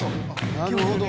「なるほど。